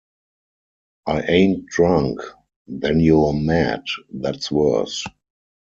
‘I ain’t drunk.’ ‘Then you’re mad; that’s worse'.